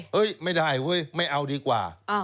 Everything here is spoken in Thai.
เฮ้ยไม่ได้ไม่เอาดีกว่า